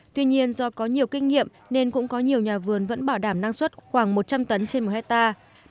tuy nhiên do có nhiều kinh nghiệm nên cũng có nhiều nhà vườn vẫn bảo đảm năng suất khoảng một trăm linh tấn trên một hectare